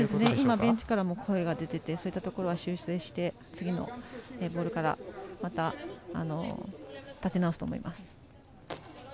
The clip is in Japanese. ベンチからも声が出ててそういったところは修正して次から立て直すと思います。